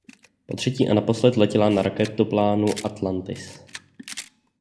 Potřetí a naposled letěla na raketoplánu Atlantis.